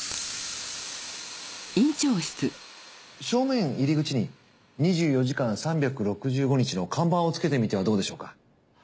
正面入り口に２４時間３６５日の看板をつけてみてはどうでしょうか。